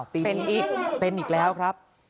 เป็นอีกเป็นอีกแล้วครับ